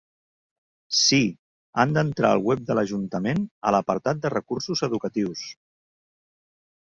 Sí, han d'entrar al web de l'ajuntament, a l'apartat de recursos educatius.